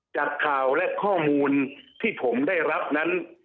จากข่าวและข้อมูลที่ผมได้รับนั้น